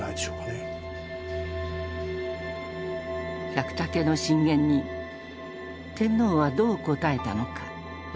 百武の進言に天皇はどう答えたのか。